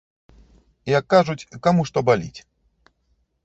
Як кажуць, каму што баліць.